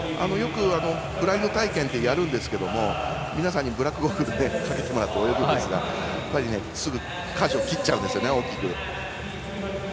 よくブラインド体験ってやるんですけど皆さんにブラックゴーグルをかけてもらって泳ぐんですがすぐかじを切っちゃうんですよね大きく。